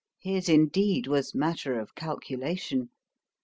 his, indeed, was matter of calculation!